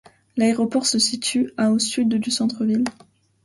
L'aéroport se situe à au sud du centre-ville.